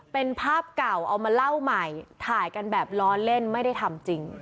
เป็นภาพเก่าเอามาเล่าใหม่ถ่ายกันแบบล้อเล่นไม่ได้ทำจริง